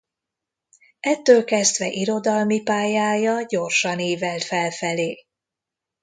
Ettől kezdve irodalmi pályája gyorsan ívelt felfelé.